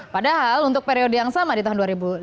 padahal untuk periode yang sama di tahun dua ribu lima belas